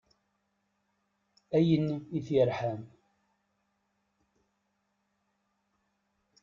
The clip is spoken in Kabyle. Ayen it-yerḥan.